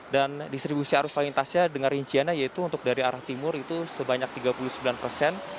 dan distribusi arus lalintasnya dengan rinciannya yaitu untuk dari arah timur itu sebanyak tiga puluh sembilan persen